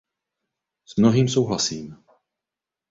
S mnohým souhlasím.